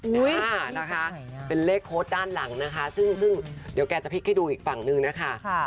นี่ค่ะนะคะเป็นเลขโค้ดด้านหลังนะคะซึ่งเดี๋ยวแกจะพลิกให้ดูอีกฝั่งนึงนะคะ